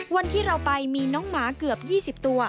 วันที่เราไปมีน้องหมาเกือบ๒๐ตัว